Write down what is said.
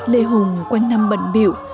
lê hùng quanh năm bận biểu